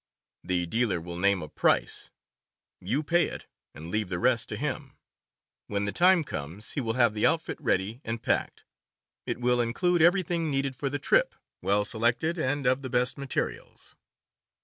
The dealer will name a price; you pay it, and leave the rest to him. When the time comes he will have the outfit ready and packed. It will include everything needed for the trip, well selected and of the best materials.